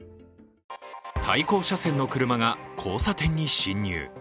対向車線の車が交差点に進入。